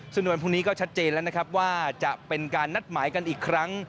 ซึ่งในวันพรุ่งนี้ก็ชัดเจนแล้วนะครับว่าจะเป็นการนัดหมายกันอีกครั้ง